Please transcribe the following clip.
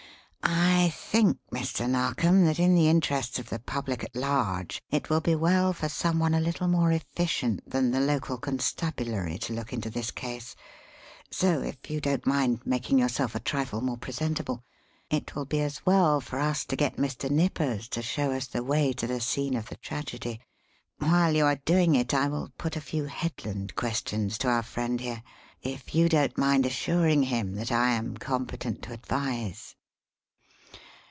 "I think, Mr. Narkom, that in the interests of the public at large it will be well for some one a little more efficient than the local constabulary to look into this case, so, if you don't mind making yourself a trifle more presentable, it will be as well for us to get Mr. Nippers to show us the way to the scene of the tragedy. While you are doing it I will put a few 'Headland' questions to our friend here if you don't mind assuring him that I am competent to advise."